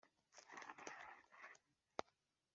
Ko biriya bimara